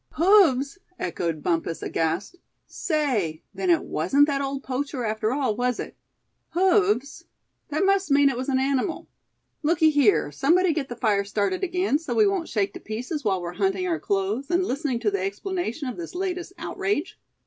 "Hoofs!" echoed Bumpus, aghast; "say, then it wasn't that old poacher after all, was it? Hoofs? That must mean it was an animal. Looky here, somebody get the fire started again, so we won't shake to pieces while we're hunting our clothes, and listening to the explanation of this latest outrage."